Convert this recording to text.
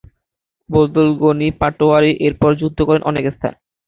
বজলুল গণি পাটোয়ারী এরপর যুদ্ধ করেন অনেক স্থানে।